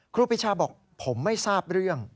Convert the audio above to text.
ครูปีชาบอกผมไม่ทราบเรื่อง